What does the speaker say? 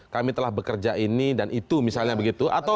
kami telah bekerja ini dan itu misalnya begitu